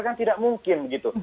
kan tidak mungkin begitu